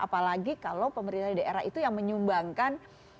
apalagi kalau pemerintah daerah itu yang menyumbangkan